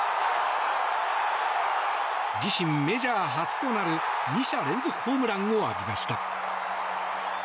自身メジャー初となる２者連続ホームランを浴びました。